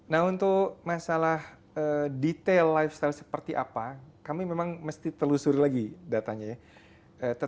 nah untuk masalah detail lifestyle seperti apa kami memang mesti telusuri lagi datanya ya